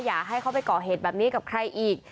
อย่าให้เขาไปก่อเหตุแบบนี้กับใครอีก